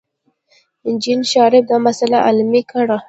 جین شارپ دا مسئله علمي کړه.